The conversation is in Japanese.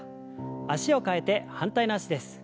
脚を替えて反対の脚です。